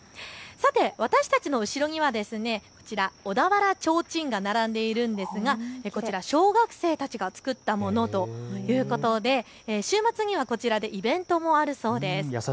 私たちの後ろには小田原ちょうちんが並んでいるんですが小学生たちが作ったものということで週末にはこちらでイベントもあるそうです。